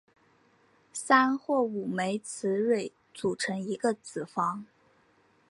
三或五枚雌蕊组成一个子房。